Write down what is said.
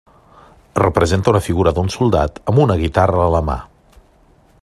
Representa una figura d'un soldat amb una guitarra a la mà.